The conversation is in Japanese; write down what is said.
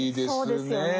そうですよね。